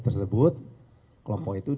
tersebut kelompok itu dari